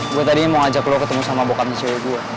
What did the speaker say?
gue tadinya mau ajak lo ketemu sama bokapnya cewek gue